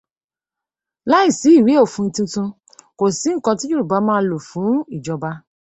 Láìsí ìwé òfin tuntun, kò sí nǹkan tí Yorùbá máa lọ fún ìjọba